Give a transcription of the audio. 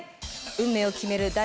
運命を決める